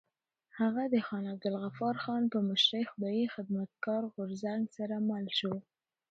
هغه د خان عبدالغفار خان په مشرۍ خدایي خدمتګار غورځنګ سره مل شو.